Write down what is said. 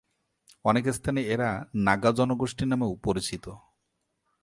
অনেকে স্থানে এরা নাগা জনগোষ্ঠী নামেও পরিচিত।